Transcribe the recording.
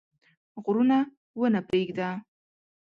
غرونه ونه پرېږده.